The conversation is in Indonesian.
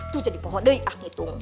tuh jadi pohodai ah ngitung